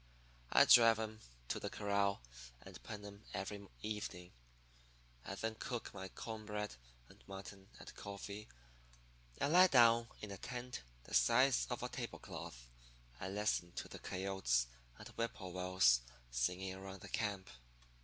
I'd drive 'em to the corral and pen 'em every evening, and then cook my corn bread and mutton and coffee, and lie down in a tent the size of a table cloth, and listen to the coyotes and whip poor wills singing around the camp.